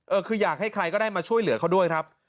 คืออยากให้ใครก็ได้มาช่วยเหลือเขาด้วยครับ